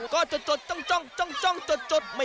ก็จดจดจด